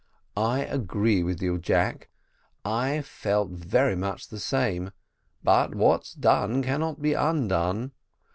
"I agree with you, Jack, and I felt much the same but what's done cannot be undone.